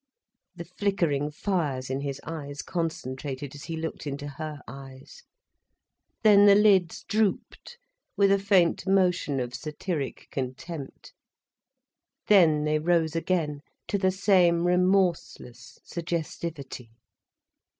The flickering fires in his eyes concentrated as he looked into her eyes. Then the lids drooped with a faint motion of satiric contempt. Then they rose again to the same remorseless suggestivity.